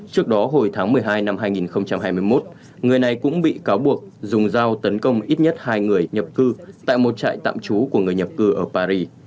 trước đó hồi tháng một mươi hai năm hai nghìn hai mươi một người này cũng bị cáo buộc dùng dao tấn công ít nhất hai người nhập cư tại một trại tạm trú của người nhập cư ở paris